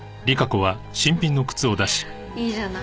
フフいいじゃない。